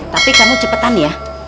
tapi kamu cepetan ya